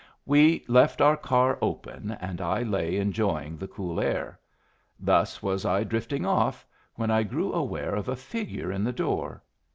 We left our car open, and I lay enjoying the cool air. Thus was I drifting off, when I grew aware of a figure in the door.